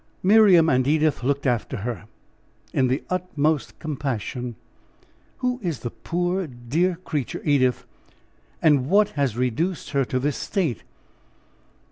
Marian and Edith looked after her, in the utmost compassion. "Who is the poor, dear creature, Edith, and what has reduced her to this state?"